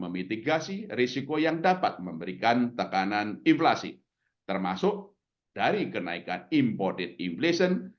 memitigasi risiko yang dapat memberikan tekanan inflasi termasuk dari kenaikan imported imflation